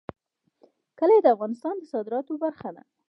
کلي د افغانستان د صادراتو برخه ده.